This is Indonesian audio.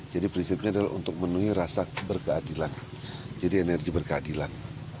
prinsipnya adalah untuk menuhi rasa berkeadilan jadi energi berkeadilan